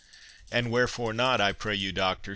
"And wherefore not, I pray you, Doctor?"